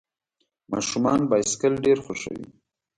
ماشومان بایسکل ډېر خوښوي.